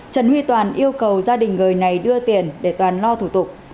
trần huy toàn yêu cầu gia đình người này đưa tiền để toàn lo thủ tục